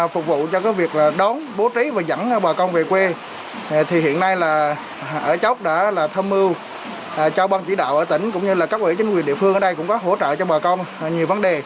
phục vụ cho việc đón bố trí và dẫn bà con về quê thì hiện nay là ở chỗ đã tham mưu cho ban chỉ đạo ở tỉnh cũng như là cấp ủy chính quyền địa phương ở đây cũng có hỗ trợ cho bà con nhiều vấn đề